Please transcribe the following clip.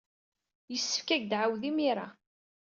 Yessefk ad ak-d-tɛawed imir-a.